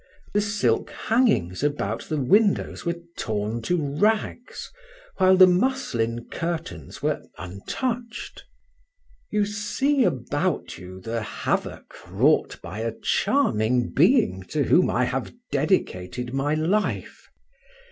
The silk hangings about the windows were torn to rags, while the muslin curtains were untouched. "You see about you the havoc wrought by a charming being to whom I have dedicated my life.